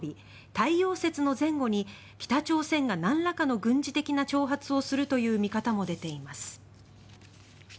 太陽節の前後に北朝鮮がなんらかの軍事的な挑発をするという見方も出ています。